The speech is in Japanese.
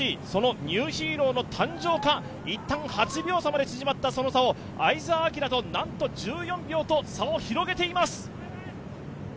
ニューヒーローの誕生か、いったん８秒差まで広がった走りを相澤晃となんと１４秒と差を広げています。